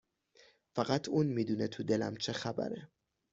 فقط اون میدونه تو دلم چه خبره